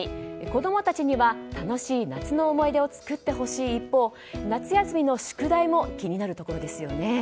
子供たちには楽しい夏の思い出を作ってほしい一方夏休みの宿題も気になるところですよね。